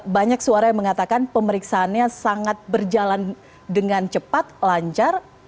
banyak suara yang mengatakan pemeriksaannya sangat berjalan dengan cepat lancar